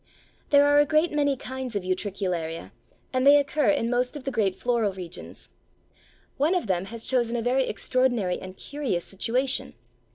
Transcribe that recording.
There are a great many kinds of Utricularia, and they occur in most of the great floral regions. One of them has chosen a very extraordinary and curious situation.